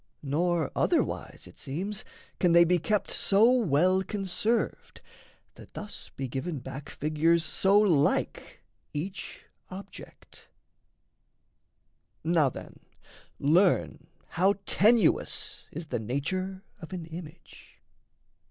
Nor otherwise, it seems, can they be kept So well conserved that thus be given back Figures so like each object. Now then, learn How tenuous is the nature of an image.